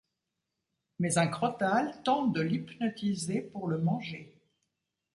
Mais un crotale tente de l'hypnotiser pour le manger.